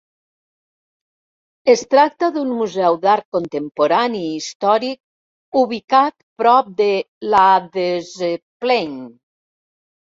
Es tracta d'un museu d'art contemporani i històric ubicat prop de Ladeuzeplein.